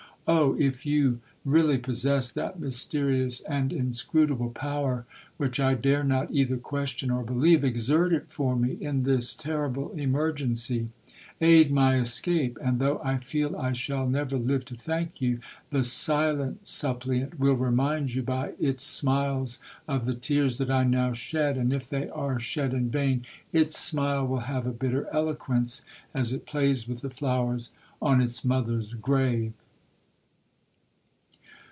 —Oh! If you really possess that mysterious and inscrutable power, which I dare not either question or believe, exert it for me in this terrible emergency—aid my escape—and though I feel I shall never live to thank you, the silent suppliant will remind you by its smiles of the tears that I now shed; and if they are shed in vain, its smile will have a bitter eloquence as it plays with the flowers on its mother's grave!'